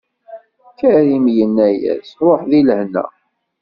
Karim yenna-as: Ṛuḥ di lehna.